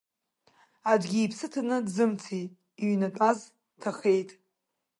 Аӡәгьы иԥсы ҭаны дзымцеит, иҩнатәаз ҭахеит.